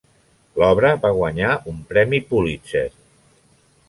L'obra va guanyar un Premi Pulitzer.